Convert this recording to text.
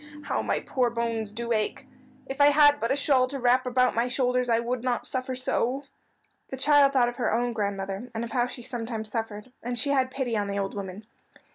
"How my poor bones do ache. If I had but a shawl to wrap about my shoulders I would not suffer so." The child thought of her own grandmother, and of how she sometimes suffered, and she had pity on the old woman.